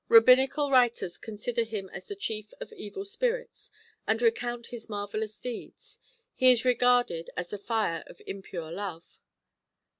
Rabbinical writers consider him as the chief of evil spirits, and recount his marvellous deeds. He is regarded as the fire of impure love.